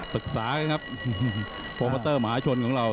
ศึกษากันครับโปรโมเตอร์มหาชนของเรา